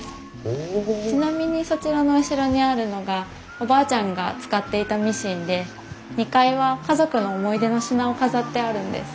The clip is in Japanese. ちなみにそちらの後ろにあるのがおばあちゃんが使っていたミシンで２階は家族の思い出の品を飾ってあるんです。